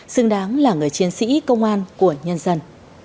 xứng đáng là người chiến sĩ công an của nhân dân